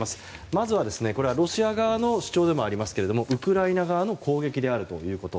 まずは、ロシア側の主張でもありますけれどもウクライナ側の攻撃であるということ。